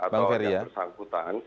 bang ferry ya